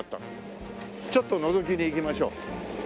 ちょっとのぞきに行きましょう。